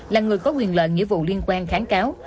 là người có quyền lợi nghĩa vụ liên quan kháng cáo